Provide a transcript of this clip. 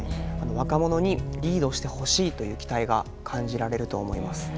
若者にリードしてほしいという期待が感じられると思います。